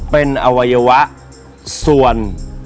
เป็นอวัยวะส่วน